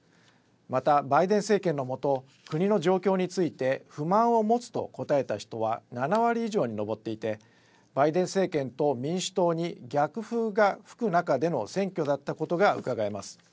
またバイデン政権のもと国の状況について不満を持つと答えた人は７割以上に上っていてバイデン政権と民主党に逆風が吹く中での選挙だったことがうかがえます。